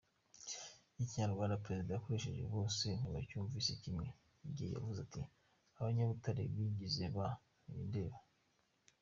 Ikinyarwanda Perezida yakoresheje bose ntibacyumvise kimwe, igihe yavuze ati abanyabutare bigize ba «ntibindeba».